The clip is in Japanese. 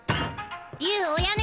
竜おやめ！